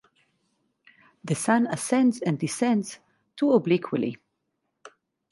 The Sun ascends and descends too obliquely.